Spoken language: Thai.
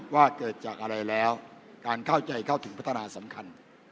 ว่าเกิดจากอะไรแล้วการเข้าใจเข้าถึงพัฒนาสำคัญ